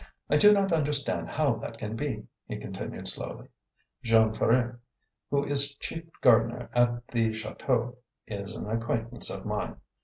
"I do not understand how that can be," he continued slowly. "Jean Ferret, who is chief gardener at the chateau, is an acquaintance of mine.